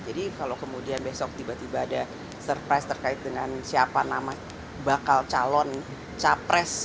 jadi kalau kemudian besok tiba tiba ada surprise terkait dengan siapa nama bakal calon capres